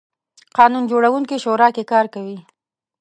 قانون جوړوونکې شورا کې کار کوي.